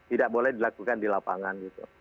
tidak boleh dilakukan di lapangan gitu